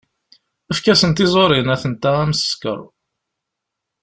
Efk-asen tiẓurin, atenta am skeṛ.